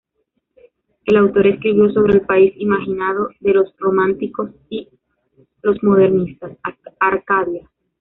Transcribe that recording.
El autor escribió sobre el país imaginado de los románticos y los modernistas, Arcadia.